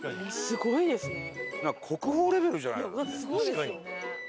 すごいですよね。